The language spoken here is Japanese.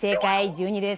１２です。